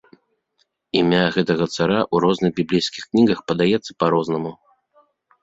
Імя гэтага цара ў розных біблейскіх кнігах падаецца па-рознаму.